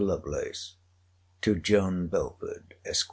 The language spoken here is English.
LOVELACE, TO JOHN BELFORD, ESQ.